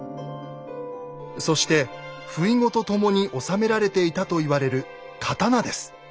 そしてふいごと共に納められていたと言われる刀です。